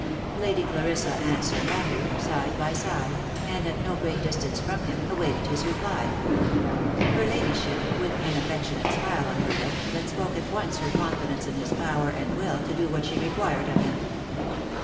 Lady Clarissa and Sir Matthew, side by side, and, at no great distance from him, awaited his reply ; her ladyship with an affectionate smile on her lip, that spoke at once her confidence in his power and will to do what she required of him.